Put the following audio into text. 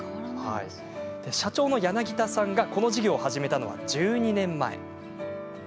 社長の柳田さんがこの事業を始めたのは１２年前。